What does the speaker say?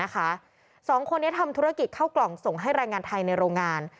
สองคนนี้ทำธุรกิจเข้ากล่องส่งให้แรงงานไทยในโรงงาน